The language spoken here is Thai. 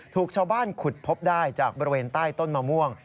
ถูกชาวบ้านขุดพบได้จากบริเวณใต้ต้นมะม่วง